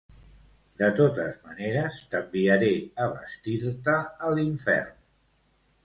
De totes maneres t'enviaré a vestir-te a l'infern.